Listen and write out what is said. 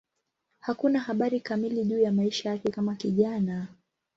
Hakuna habari kamili juu ya maisha yake kama kijana.